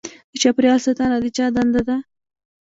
د چاپیریال ساتنه د چا دنده ده؟